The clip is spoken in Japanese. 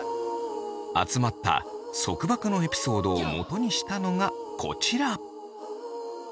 集まった束縛のエピソードをもとにしたのがこちら。